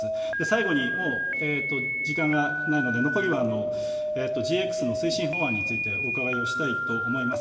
最後にもう時間がないので、残りはＧＸの推進法案についてお伺いをしたいと思います。